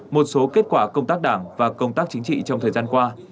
một số kết quả công tác đảng và công tác chính trị trong thời gian qua